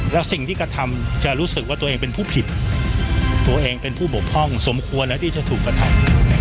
แล้วสิ่งที่กระทำจะรู้สึกว่าตัวเองเป็นผู้ผิดตัวเองเป็นผู้บกพ่องสมควรแล้วที่จะถูกกระทำ